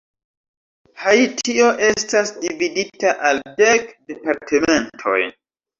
Haitio estas dividita al dek departementoj.